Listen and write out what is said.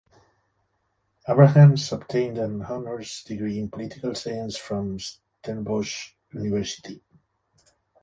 Abrahams obtained an honours degree in political science from Stellenbosch University.